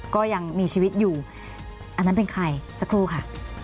ก็ยังมีชีวิตอยู่อันนั้นเป็นใครสักครู่ค่ะ